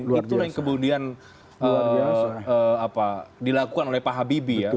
itulah yang kemudian dilakukan oleh pak habibie ya